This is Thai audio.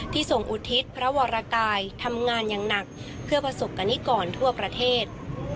ทรงอุทิศพระวรกายทำงานอย่างหนักเพื่อประสบกรณิกรทั่วประเทศ